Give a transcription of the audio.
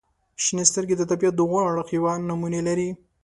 • شنې سترګې د طبیعت د غوره اړخ یوه نمونې لري.